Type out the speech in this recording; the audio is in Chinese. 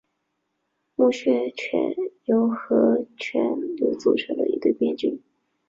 木皿泉由和泉努组成的一对编剧。